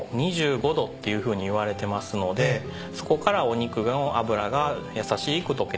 ２５℃っていうふうにいわれてますのでそこからお肉の脂が優しく溶けていきます。